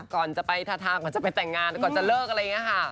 ก่อนจะไปทาทางก่อนจะไปแต่งงานก่อนจะเลิกอะไรอย่างนี้ค่ะ